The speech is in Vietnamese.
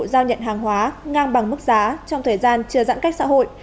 giao nhận hàng hóa ngang bằng mức giá trong thời gian chưa giãn cách xã hội